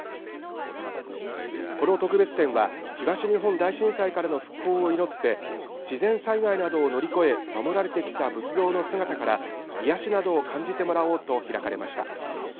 この特別展は東日本大震災からの復興を祈って自然災害などを乗り越え守られてきた仏像の姿から癒やしなどを感じてもらおうと開かれました。